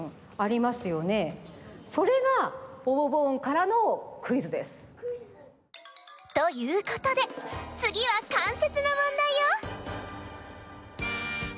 それがボボボーンからのクイズです！ということでつぎは関節のもんだいよ！